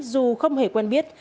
dù không hề quen biết